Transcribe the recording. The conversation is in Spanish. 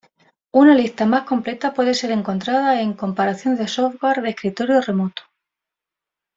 Una lista más completa puede ser encontrada en: Comparación de software de escritorio remoto